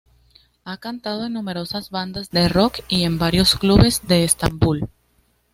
Ha cantado en numerosas bandas de rock y en varios clubes de Estambul.